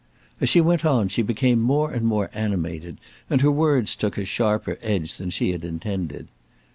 As she went on she became more and more animated and her words took a sharper edge than she had intended.